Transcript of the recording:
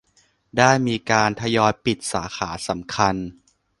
ได้มีการทยอยปิดสาขาสำคัญ